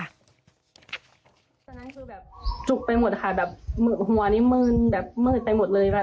ตอนนั้นคือแบบจุกไปหมดค่ะแบบหัวนี้มืนแบบมืดไปหมดเลยแบบ